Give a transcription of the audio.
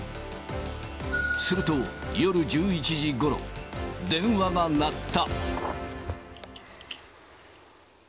すると夜１１時ごろ、電話が鳴った。